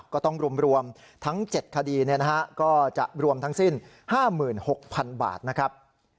ก็ต้องรวมทั้ง๗คดีก็จะรวมทั้งสิ้น๕๖๐๐๐บาทนะครับ